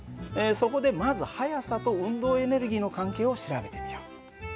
そこでまず速さと運動エネルギーの関係を調べてみよう。